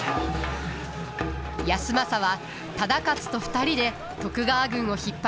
康政は忠勝と２人で徳川軍を引っ張ります。